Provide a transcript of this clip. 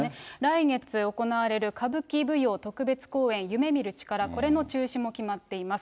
来月行われる歌舞伎舞踊特別公演夢見る力、これも、中止も決まっています。